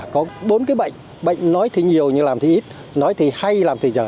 có bốn cái bệnh bệnh nói thì nhiều nhưng làm thì ít nói thì hay làm thì giờ